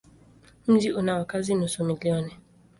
Mji una wakazi nusu milioni.